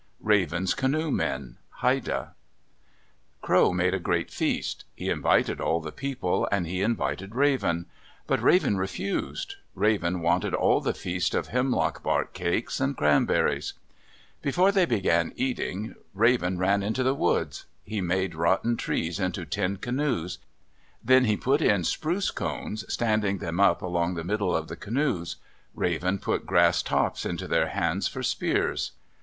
RAVEN'S CANOE MEN Haida Crow made a great feast. He invited all the people, and he invited Raven. But Raven refused. Raven wanted all the feast of hemlock bark cakes and cranberries. Before they began eating, Raven ran into the woods. He made rotten trees into ten canoes. Then he put in spruce cones, standing them up along the middle of the canoes. Raven put grass tops into their hands for spears.